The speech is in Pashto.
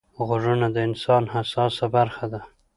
غوږونه د انسان حساسه برخه ده